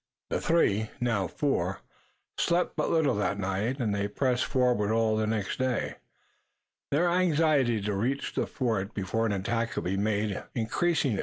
The three, now four, slept but little that night and they pressed forward all the next day, their anxiety to reach the fort before an attack could be made, increasing.